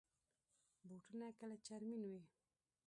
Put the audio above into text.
بوټونه کله چرمین وي.